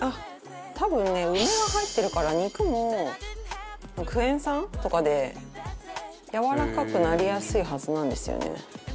多分ね梅が入ってるから肉もクエン酸とかでやわらかくなりやすいはずなんですよね。